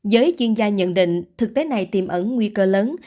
giới chuyên gia nhận định thực tế này tiêm ẩn